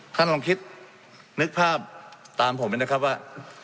ท่านลองคิดนึกภาพตามผมเลยนะครับว่า